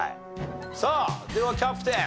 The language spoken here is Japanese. さあではキャプテン。